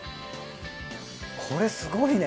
これすごいね。